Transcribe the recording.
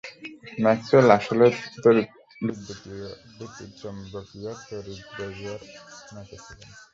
Maxwell আসলে বিদ্যুৎচুম্বকীয় তরঙ্গের বেগ মেপেছিলেন।